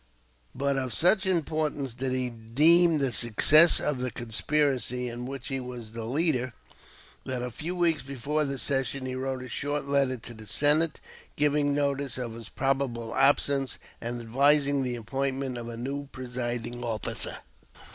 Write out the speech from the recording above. But of such importance did he deem the success of the conspiracy in which he was the leader, that a few weeks before the session he wrote a short letter to the Senate, giving notice of his probable absence and advising the appointment of a new presiding officer.